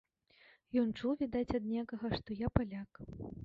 Ён чуў, відаць ад некага, што я паляк.